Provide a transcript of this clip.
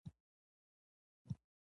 د کوم ډاکټر نه علاج کوې؟